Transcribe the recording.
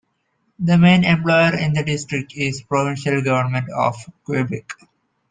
The main employer in the district is the provincial Government of Quebec.